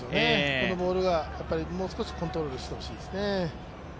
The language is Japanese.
このボールがもう少しコントロールしてほしいですね。